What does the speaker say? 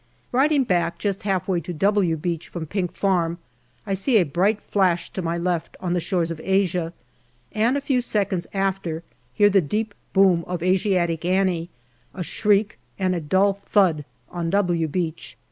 Riding back, just half way to " W " Beach from Pink Farm I see a bright flash to my left on the shores of Asia, and a few seconds after hear the deep boom of " Asiatic JUNE 133 Annie," a shriek, and a dull thud on " W " Beach.